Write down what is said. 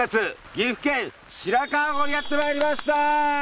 岐阜県白川郷にやってまいりました！